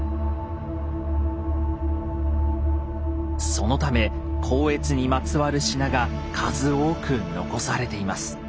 そのため光悦にまつわる品が数多く残されています。